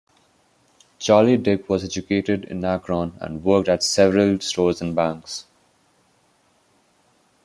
"Charley" Dick was educated in Akron, and worked at several stores and banks.